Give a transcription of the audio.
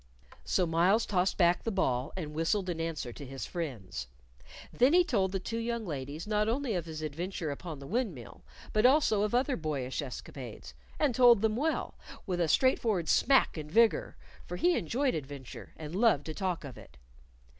So Myles tossed back the ball, and whistled in answer to his friends. Then he told the two young ladies not only of his adventure upon the windmill, but also of other boyish escapades, and told them well, with a straightforward smack and vigor, for he enjoyed adventure and loved to talk of it.